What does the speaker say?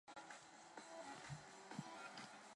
这些藏品绝大部分为清宫旧藏的传世作品。